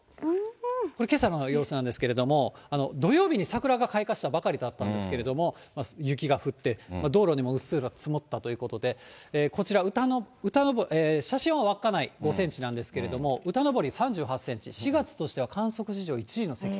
けさの様子なんですけれども、土曜日に桜が開花したばかりだったんですけれども、雪が降って、道路にもうっすらと積もったということで、こちら、写真は稚内、５センチなんですけれども、歌登３８センチ、４月としては観測史上最高。